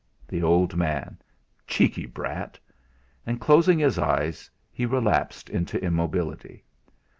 The old man! Cheeky brat! And closing his eyes he relapsed into immobility.